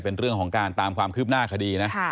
เป็นเรื่องของการตามความคืบหน้าคดีนะ